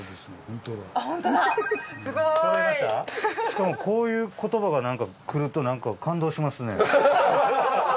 しかもこういう言葉が来るとなんか感動しますね。